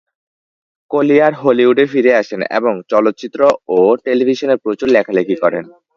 Collier হলিউডে ফিরে আসেন এবং চলচ্চিত্র ও টেলিভিশনে প্রচুর লেখালেখি করেন।